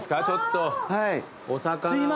ちょっとお魚を。